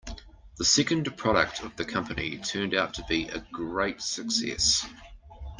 The second product of the company turned out to be a great success.